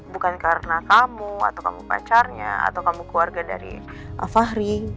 bukan karena kamu atau kamu pacarnya atau kamu keluarga dari fahri